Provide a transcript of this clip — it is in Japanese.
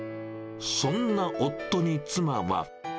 そんな夫に妻は。